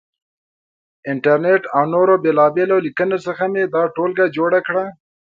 انټرنېټ او نورو بېلابېلو لیکنو څخه مې دا ټولګه جوړه کړه.